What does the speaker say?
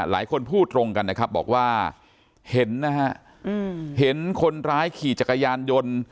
หลายคนพูดตรงกันนะครับบอกว่าเห็นนะฮะเห็นคนร้ายขี่จักรยานยนต์